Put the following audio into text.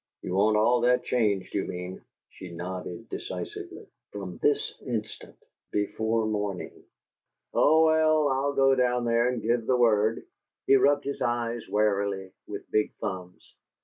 "You want all that changed, you mean?" She nodded decisively. "From this instant. Before morning." "Oh, well, I'll go down there and give the word." He rubbed his eyes wearily with big thumbs.